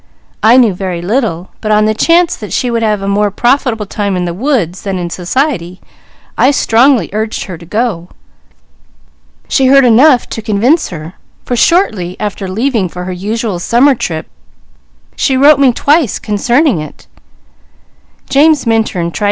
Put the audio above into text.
I knew very little, but on the chance that she would have a more profitable time in the woods than in society, I strongly urged her to go. She heard enough to convince her, for shortly after leaving for her usual summer trip she wrote me twice concerning it."